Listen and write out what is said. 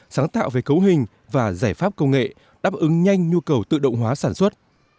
sáng tạo về cấu hình và giải pháp công nghệ đáp ứng nhanh nhu cầu tự động hóa sản xuất